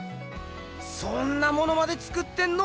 そんなものまで作ってんの？